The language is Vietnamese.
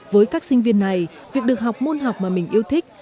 với các sinh viên này việc được học môn học mà mình yêu thích